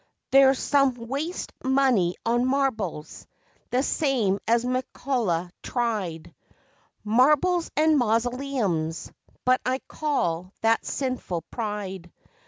There's some waste money on marbles, the same as McCullough tried Marbles and mausoleums but I call that sinful pride.